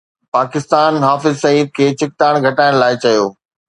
پاڪستان حافظ سعيد کي ڇڪتاڻ گهٽائڻ لاءِ چيو